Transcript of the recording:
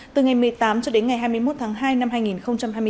từ ngày một mươi tám cho đến ngày hai mươi một tháng hai năm hai nghìn hai mươi bốn